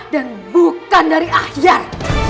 dan bukan dari ahyar